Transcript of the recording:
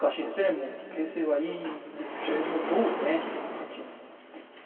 もう形勢はいいんですけどもどう勝ちに持っていくか。